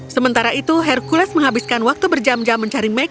sementara itu hercules menghabiskan waktu berjam jam mencari make